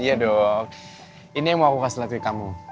iya dok ini yang mau aku kasih lagi kamu